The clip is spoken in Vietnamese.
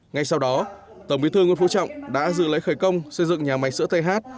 ngay sau đó tổng bí thư nguyễn phú trọng đã dự lễ khởi công xây dựng nhà máy sữa th